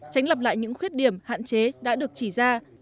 tránh lặp lại những khuyết điểm hạn chế đã được chỉ ra